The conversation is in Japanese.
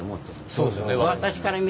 そうですよね。